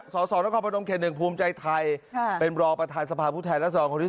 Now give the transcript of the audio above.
สสนพนแคนภูมิใจไทยเป็นบรปฐสภาพวิทยาลักษณ์ลักษณะที่๒